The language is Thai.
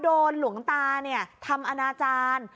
โดนหลวงตาเนี่ยทำอนาจารย์